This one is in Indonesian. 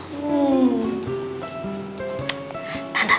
duduk dimana ya